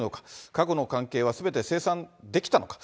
過去の関係はすべて清算できたのか。